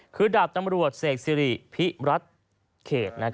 คือดาบตำรวจเสกสิริพิรัฐเขต